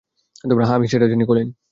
হ্যাঁ, আমি সেটা জানি, কলিন।